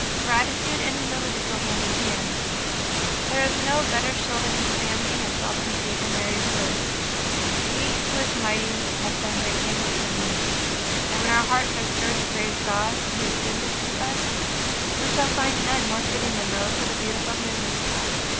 Gratitude and humility go hand in hand. There is no better shield against vanity and self conceit than Mary's words :" He who is mighty hath done great things for me ;'' and when our hearts are stirred to praise God for His goodness to us, we shall find none more fitting than those of her beautiful Mag nificat.